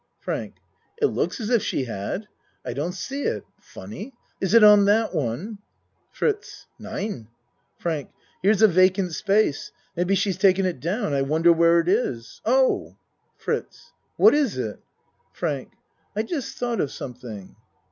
FRANK It looks as if she had. I don't see it. Funny! Is it on that one? FRITZ No. FRANK Here's a vacant space. Maybe she's taken it down. I wounder where it is. Oh! FRITZ What it is? FRANK I just tho't of something.